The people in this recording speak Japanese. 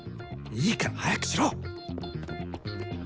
いいから早くしろ！